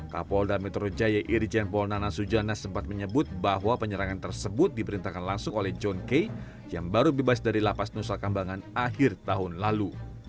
kapolda metro jaya irjen paul nana sujana sempat menyebut bahwa penyerangan tersebut diperintahkan langsung oleh john kay yang baru bebas dari lapas nusa kambangan akhir tahun lalu